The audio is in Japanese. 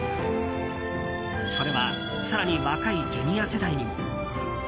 それは更に若いジュニア世代にも。